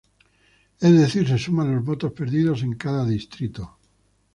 Es decir se suman los votos perdidos en cada distrito.